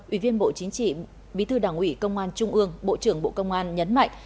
ủy viên bộ chính trị bí thư đảng ủy công an trung ương bộ trưởng bộ công an nhấn mạnh